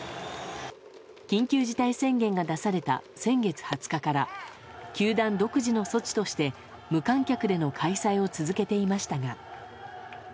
緊急事態宣言が出された先月２０日から球団独自の措置として無観客での開催を続けていましたが。